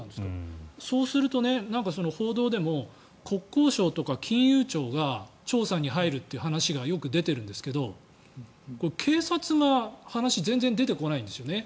そうすると報道でも国交省とか金融庁が調査に入るという話がよく出ているんですがこれ、警察が話に全然出てこないんですよね。